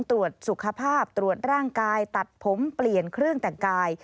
ตรวจสุขภาพตรวจร่างกายตัดผมเปลี่ยนเครื่องแต่งกาย